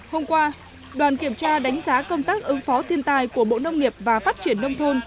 hôm qua đoàn kiểm tra đánh giá công tác ứng phó thiên tài của bộ nông nghiệp và phát triển nông thôn